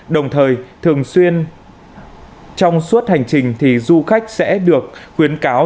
đồng thời thường xuyên trong suốt hành trình thì du khách sẽ được khuyến cáo